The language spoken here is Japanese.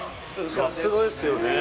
さすがですよね。